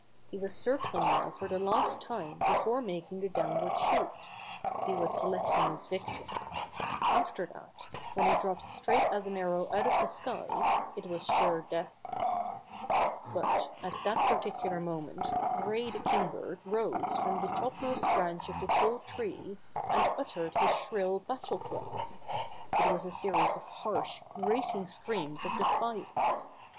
He was cir cling now for the last time before making the downward shoot. He was selecting his victim. After that, when he dropped straight as an arrow out of the sky, it was sure death. But at that particular moment Gray the Kingbird rose from the topmost branch of the tall tree, and uttered his shrill battlecry. It was a series of harsh, grating screams of defiance.